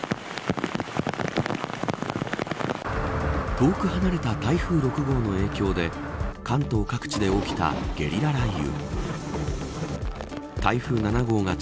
遠く離れた台風６号の影響で関東各地で起きたゲリラ雷雨。